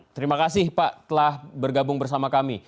terima kasih pak telah bergabung bersama kami